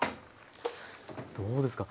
どうですか？